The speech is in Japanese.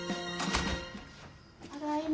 ・ただいま。